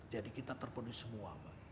jadi kita terpenuhi semua mbak